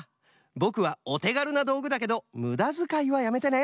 ぼくはおてがるなどうぐだけどむだづかいはやめてね！